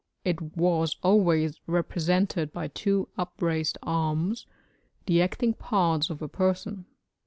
It was always represented by two upraised arms, the acting parts of the person.